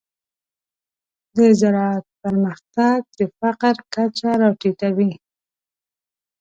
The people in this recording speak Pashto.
د زراعت پرمختګ د فقر کچه راټیټوي.